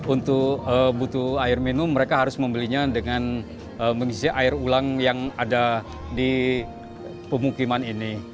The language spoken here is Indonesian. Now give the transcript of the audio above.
untuk butuh air minum mereka harus membelinya dengan mengisi air ulang yang ada di pemukiman ini